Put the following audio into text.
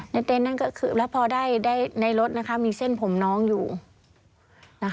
เต็นต์นั่นก็คือแล้วพอได้ในรถนะคะมีเส้นผมน้องอยู่นะคะ